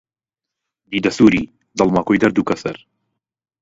دیدە سووری، دڵ مەکۆی دەرد و کەسەر